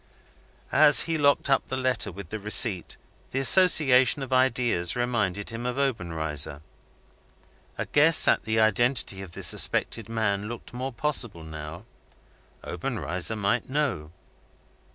As he locked up the letter with the receipt, the association of ideas reminded him of Obenreizer. A guess at the identity of the suspected man looked more possible now. Obenreizer might know.